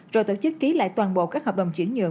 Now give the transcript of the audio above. rồi tổ chức ký lại toàn bộ các hợp đồng chuyển nhượng